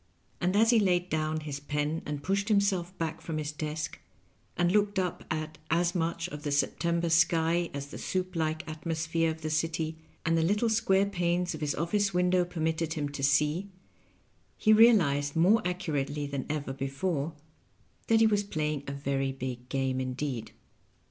And as he laid down his pen and pushed him self back from his desk, and looked up at as much of the September sky as the soup like atmosphere of the city and the little square panes of his office window permitted him to see, he realized more accurately than ever before that he was playing a very big game indeed.